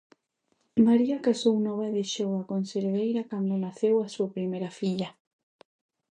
María casou nova e deixou a conserveira cando naceu a súa primeira filla.